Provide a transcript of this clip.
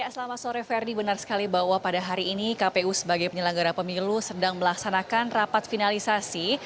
selamat sore ferdi benar sekali bahwa pada hari ini kpu sebagai penyelenggara pemilu sedang melaksanakan rapat finalisasi